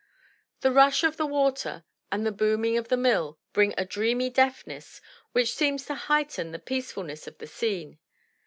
The rush of the water and the booming of the mill bring a dreamy deafness which seems to heighten the peacefulness of the scene.